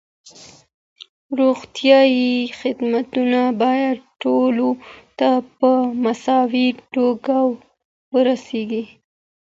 روغتیايي خدمتونه باید ټولو ته په مساوي توګه ورسیږي.